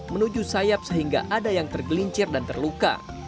menuju sayap sehingga ada yang tergelincir dan terluka